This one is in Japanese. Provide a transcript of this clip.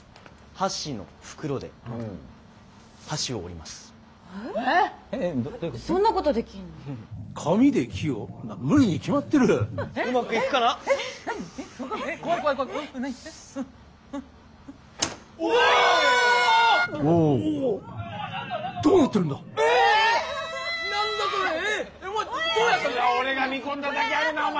さすが俺が見込んだだけあるなお前！